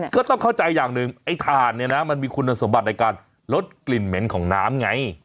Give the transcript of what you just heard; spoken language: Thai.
ก็ต้องเข้าใจอย่างหนึ่งไอ้ถ่านเนี่ยนะมันมีคุณสมบัติในการลดกลิ่นเหม็นของน้ำไง